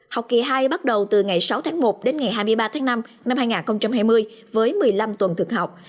học kỳ hai bắt đầu từ ngày sáu tháng một đến ngày hai mươi ba tháng năm năm hai nghìn hai mươi với một mươi năm tuần thực học